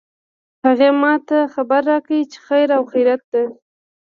هغې ما ته خبر راکړ چې خیر او خیریت ده